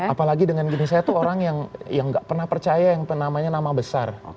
apalagi dengan gini saya tuh orang yang gak pernah percaya yang namanya nama besar